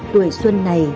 tuổi xuân này